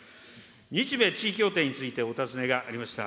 日米地位協定についてお尋ねがありました。